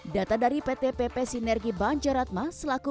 data dari pt pp sinergi banjaratma selaku